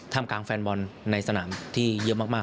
ท่ามกลางแฟนบอลในสถานะที่เยอะมาก